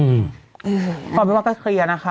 ความเป็นว่าก็เคลียร์นะคะ